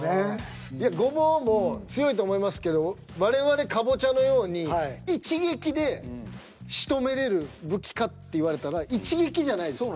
いやゴボウも強いと思いますけど我々カボチャのように一撃でしとめれる武器かって言われたら一撃じゃないですよね。